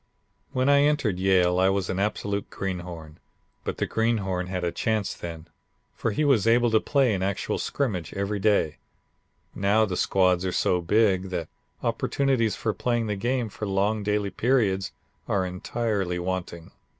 "When I entered Yale I was an absolute greenhorn, but the greenhorn had a chance then, for he was able to play in actual scrimmage every day; now the squads are so big that opportunities for playing the game for long daily periods are entirely wanting.